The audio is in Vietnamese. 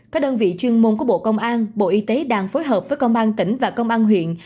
các đơn vị chuyên môn của bộ công an bộ y tế đang phối hợp với công an tỉnh và công an huyện